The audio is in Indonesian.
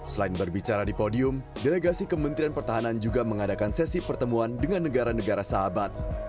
selain berbicara di podium delegasi kementerian pertahanan juga mengadakan sesi pertemuan dengan negara negara sahabat